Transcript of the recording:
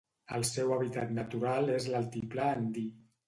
El seu hàbitat natural és l'altiplà andí.